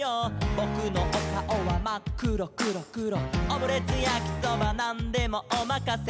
「ぼくのおかおはまっくろくろくろ」「オムレツやきそばなんでもおまかせ！」